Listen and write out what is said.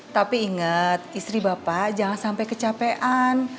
tapi ingat istri bapak jangan sampai kecapean